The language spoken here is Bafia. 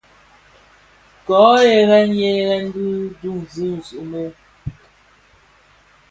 Ko ghènèn ghènèn bi döön zi somo.